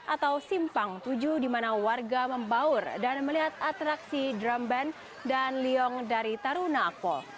atau simpang tujuh di mana warga membaur dan melihat atraksi drum band dan liong dari taruna akpol